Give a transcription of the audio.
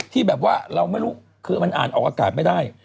ที่เราไม่รู้มันอาจออกอากาศไม่ได้